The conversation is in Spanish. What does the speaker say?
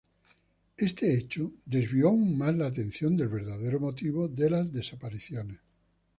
Este hecho desvió aún más la atención del verdadero motivo de las desapariciones.